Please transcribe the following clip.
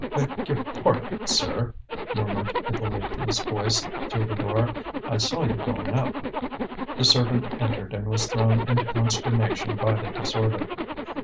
"Beg your pardon, sir," murmured Hippolyte's voice through the door. "I saw you going up." The servant entered and was thrown into consternation by the disorder.